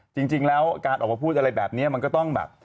จริงแล้วการออกมาพูดอะไรแบบนี้มันก็ต้องแบบ